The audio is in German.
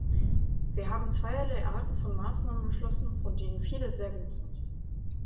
Wir haben zweierlei Arten von Maßnahmen beschlossen, von denen viele sehr gut sind.